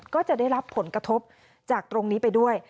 ก็จะได้รับผลกระทบจากตรงนี้ไปด้วย